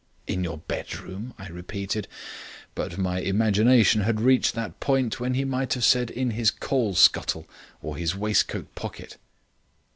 "In your bedroom?" I repeated; but my imagination had reached that point when he might have said in his coal scuttle or his waistcoat pocket.